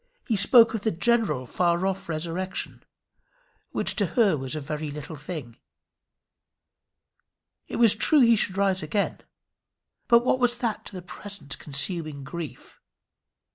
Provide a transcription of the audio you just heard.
He spoke of the general far off resurrection, which to her was a very little thing. It was true he should rise again; but what was that to the present consuming grief?